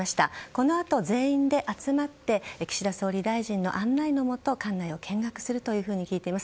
このあと、全員で集まって岸田総理大臣の案内のもと館内を見学すると聞いています。